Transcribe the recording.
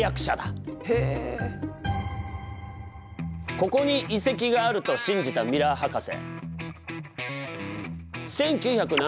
ここに遺跡があると信じたミラー博士。